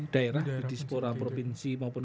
daerah di sebuah provinsi maupun